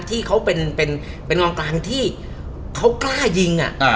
ที่เขาเป็นกองกลางที่เขากล้ายิง